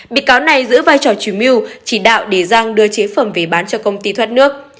bị cáo này giữ vai trò chủ mưu chỉ đạo để giang đưa chế phẩm về bán cho công ty thoát nước